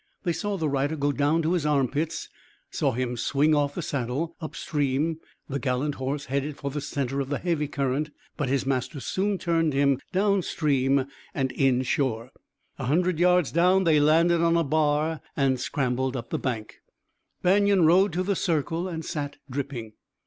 They saw the rider go down to his armpits; saw him swing off saddle, upstream. The gallant horse headed for the center of the heavy current, but his master soon turned him downstream and inshore. A hundred yards down they landed on a bar and scrambled up the bank. Banion rode to the circle and sat dripping.